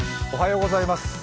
おはようございます。